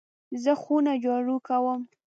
زه خونه جارو کوم .